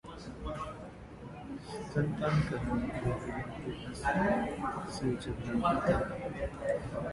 स्तनपान कराने पर महिला को बस से जबरन उतारा